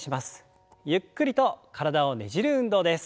ゆっくりと体をねじる運動です。